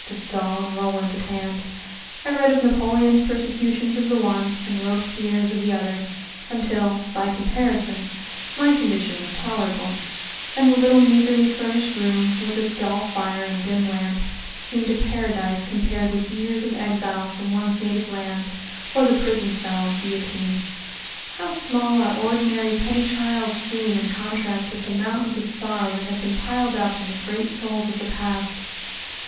De Staël and Roland at hand, I read of Napoleon's persecutions of the one and Robespierre's of the other, until, by comparison, my condition was tolerable, and the little meagerly furnished room, with its dull fire and dim lamp, seemed a paradise compared with years of exile from one's native land or the prison cell and guillotine. How small our ordinary, petty trials seem in contrast with the mountains of sorrow that have been piled up on the great souls of the past!